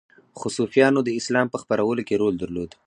خو صوفیانو د اسلام په خپرولو کې رول درلود